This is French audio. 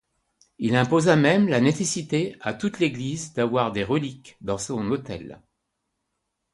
Il imposa même la nécessité à toute église d'avoir des reliques dans son autel.